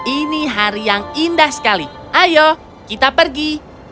ini hari yang indah sekali ayo kita pergi